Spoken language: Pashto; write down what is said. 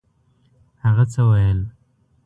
هغه څه ویل؟